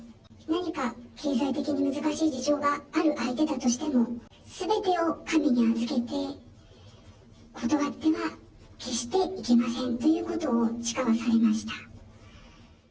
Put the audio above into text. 何か経済的に難しい事情がある相手だとしても、すべてを神に預けて、断っては決していけませんということを誓わされました。